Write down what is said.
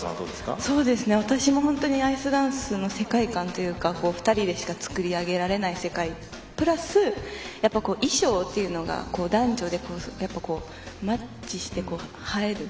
私も本当にアイスダンスの世界観というか２人でしか作り上げられないプラス衣装っていうのが男女でマッチして映える。